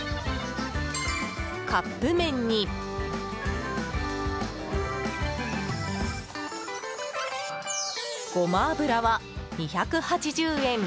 カップ麺に、ゴマ油は２８０円。